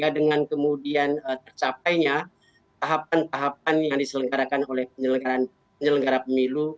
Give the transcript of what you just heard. dengan kemudian tercapainya tahapan tahapan yang diselenggarakan oleh penyelenggara pemilu